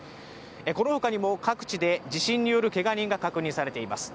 このほかにも各地で地震によるけが人が確認されています。